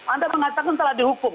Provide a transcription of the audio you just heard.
anda mengatakan salah dihukum